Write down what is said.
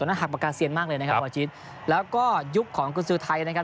นักหักปากกาเซียนมากเลยนะครับหมอชิดแล้วก็ยุคของกุญสือไทยนะครับ